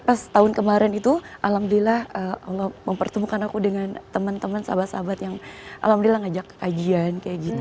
pas tahun kemarin itu alhamdulillah allah mempertemukan aku dengan teman teman sahabat sahabat yang alhamdulillah ngajak kajian kayak gitu